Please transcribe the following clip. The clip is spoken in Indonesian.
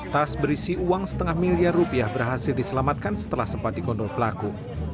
tas berisi uang setengah miliar rupiah berhasil diselamatkan setelah sempat dikondol pelaku